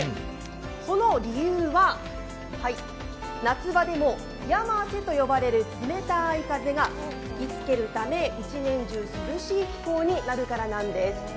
その理由は夏場でも「やませ」と呼ばれる冷たい風が吹きつけるため１年中、涼しい気候になるからなんです。